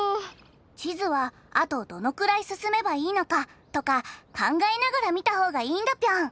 ちずはあとどのくらいすすめばいいのかとかかんがえながらみたほうがいいんだピョン。